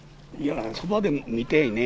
そばで見たいねえ。